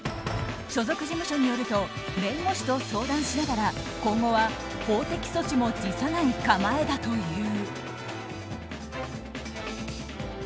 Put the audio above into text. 所属事務所によると弁護士と相談しながら今後は法的措置も辞さない構えだという。